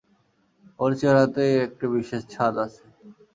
ওর চেহারাতেই একটা বিশেষ ছাঁদ আছে।